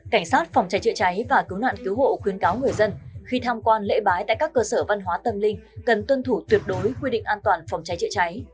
cảnh sát vòng trái hãy trái và cứu nạn cứu hộ khuyến cáo người dân khi tham quan lễ bái tại các cơ sở văn hóa tâm linh cần tuân thủ tuyệt đối quy định an toàn vòng trái hãy trái